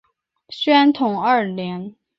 宣统二年。